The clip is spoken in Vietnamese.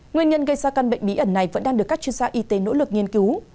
nguyên nhân gây ra căn bệnh bí ẩn này vẫn đang được các chuyên gia y tế nỗ lực nghiên cứu